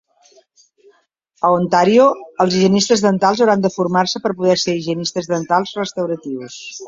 A Ontario, els higienistes dentals hauran de formar-se per poder ser higienistes dentals restauratius.